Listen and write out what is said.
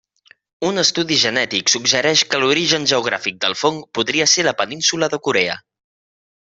Un estudi genètic suggereix que l'origen geogràfic del fong podria ser la Península de Corea.